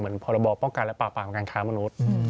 เหมือนพบป้องกันและปากปากของการค้ามนุษย์